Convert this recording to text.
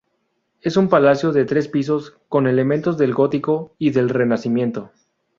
Es un palacio de tres pisos, con elementos del gótico y del renacimiento.